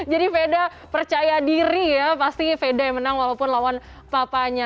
veda percaya diri ya pasti feda yang menang walaupun lawan papanya